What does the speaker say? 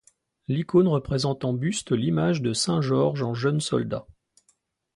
L'icône représente en buste l'image de saint Georges en jeune soldat.